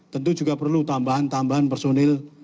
tentu juga perlu tambahan tambahan personil